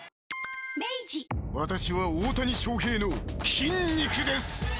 私は大谷翔平の筋肉です。